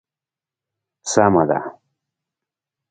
سمه ده.